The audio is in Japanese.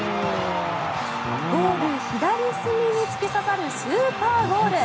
ゴール左隅に突き刺さるスーパーゴール。